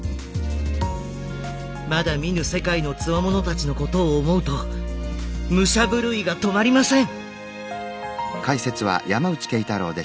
まだ見ぬ世界のつわものたちのことを思うと武者震いが止まりません！